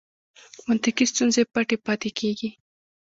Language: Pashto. منطقي ستونزې پټې پاتې کېږي.